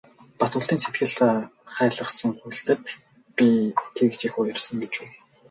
Батболдын сэтгэл хайлгасан гуйлтад би тэгж их уярсан гэж үү.